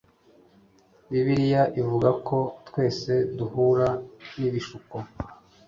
bibiliya ivuga ko twese duhura n'ibishuko